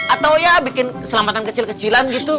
atau ya bikin keselamatan kecil kecilan gitu